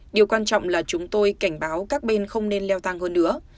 điều quan trọng là chúng tôi cảnh báo các bên không nên leo thang hơn nữa